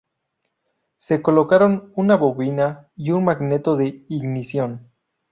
Se colocaron una bobina y un magneto de ignición.